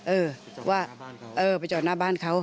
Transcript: เออไปจอดหน้าบ้านเขา